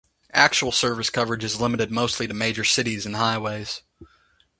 Actual service coverage is limited mostly to major cities and highways.